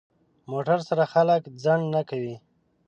موټر سره خلک ځنډ نه کوي.